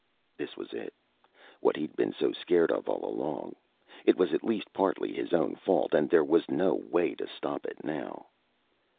This was it. What he'd been so scared of all along. It was at least partly his own fault. And there was no way to stop it now.